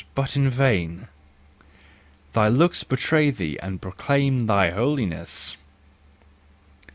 But in vain ! Thy looks betray thee And proclaim thy holiness.